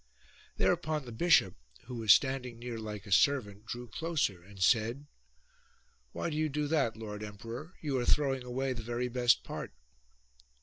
Thereupon the bishop, who was standing near like a servant, drew closer and said, " Why do you do that, lord emperor ? You are throwing away the very best part."